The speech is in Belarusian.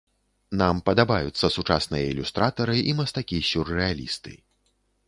Нам падабаюцца сучасныя ілюстратары і мастакі-сюррэалісты.